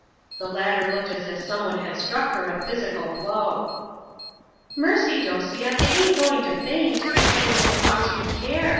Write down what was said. The latter looked as if someone had struck her a physical blow. "Mercy, Dosia, you ain't going to faint! I didn't suppose you'd care.